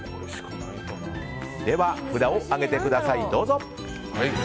では札を上げてください、どうぞ。